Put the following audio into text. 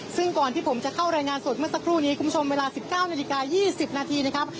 ซึ่งก่อนที่ผมจะเข้ารายงานสดเมื่อสักครู่นี้คุณผู้ชมเวลา๑๙นาฬิกา๒๐นาทีนะครับ